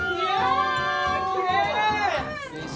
きれい！